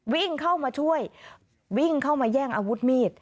วิ่งเข้ามาช่วยวิ่งเข้ามาแย่งอาวุธมีด